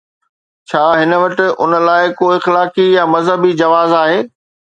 ڇا هن وٽ ان لاءِ ڪو اخلاقي يا مذهبي جواز آهي؟